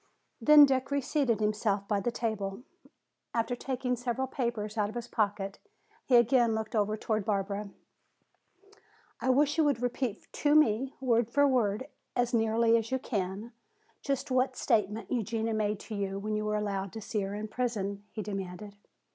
Then Dick reseated himself by the tea table. After taking several papers out of his pocket he again looked over toward Barbara. "I wish you would repeat to me, word for word, as nearly as you can, just what statement Eugenia made to you when you were allowed to see her in prison," he demanded.